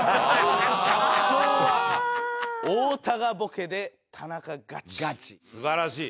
「爆笑は太田がボケで田中ガチ」素晴らしい！